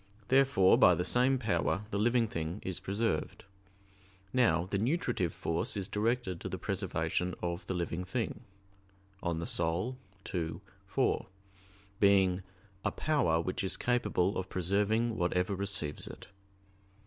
Therefore by the same power the living thing is preserved. Now the nutritive force is directed to the preservation of the living thing (De Anima ii, 4), being "a power which is capable of preserving whatever receives it."